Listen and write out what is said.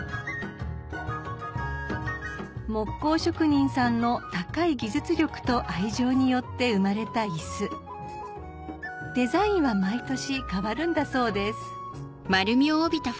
木工職人さんの高い技術力と愛情によって生まれた椅子デザインは毎年変わるんだそうです